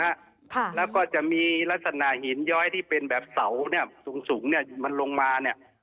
ค่ะแล้วก็จะมีลักษณะหินย้อยที่เป็นแบบเสาเนี้ยสูงสูงเนี้ยมันลงมาเนี้ย